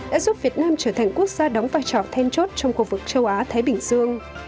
đã giúp việt nam trở thành quốc gia đóng vai trò then chốt trong khu vực châu á thái bình dương